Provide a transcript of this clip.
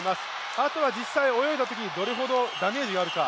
あとは、実際に泳いだときどれだけダメージがあるか。